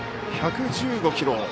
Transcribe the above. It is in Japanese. １１５キロ。